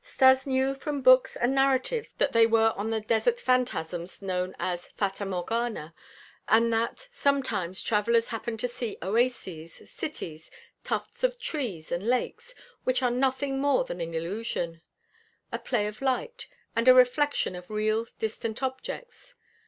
Stas knew from books and narratives that there were on the desert phantasms known as "fata morgana" and that sometimes travelers happen to see oases, cities, tufts of trees and lakes, which are nothing more than an illusion, a play of light, and a reflection of real distant objects.